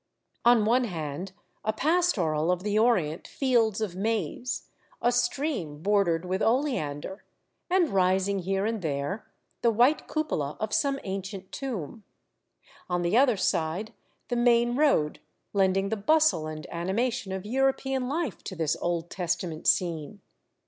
On one hand, a pastoral of the Orient fields of maize, a stream bordered with oleander, and rising here and there the white cupola of some ancient tomb ; on the other side, the main road, lending the bustle and animation of European life to this Old Testament scene.